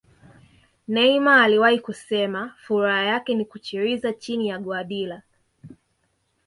Neymar aliwahi kusema furaha yake ni kuchrza chini ya Guardiola